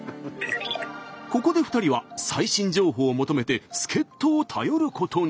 ここで２人は最新情報を求めて助っとを頼ることに。